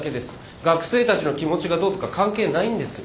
学生たちの気持ちがどうとか関係ないんですよ。